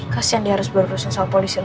kasian dia harus berurusan soal polisi lagi